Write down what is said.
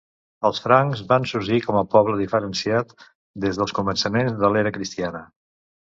Els francs van sorgir com a poble diferenciat des dels començaments de l'era cristiana.